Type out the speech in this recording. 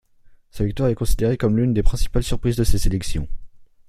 Sa victoire est considérée comme l'une des principales surprises de ces élections.